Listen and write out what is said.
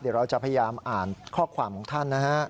เดี๋ยวเราจะพยายามอ่านข้อความของท่านนะฮะ